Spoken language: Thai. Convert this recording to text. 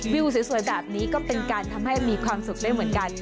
วิวสวยแบบนี้ก็เป็นการทำให้มีความสุขได้เหมือนกัน